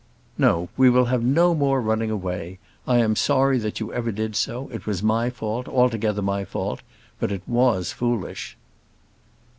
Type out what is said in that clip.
"No; we will have no more running away: I am sorry that you ever did so. It was my fault, altogether my fault; but it was foolish."